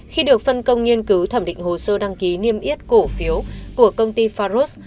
khi được phân công nghiên cứu thẩm định hồ sơ đăng ký niêm yết cổ phiếu của công ty faros